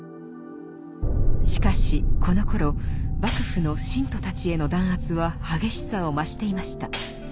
しかしこのころ幕府の信徒たちへの弾圧は激しさを増していました。